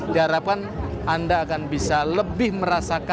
diharapkan anda akan bisa lebih merasakan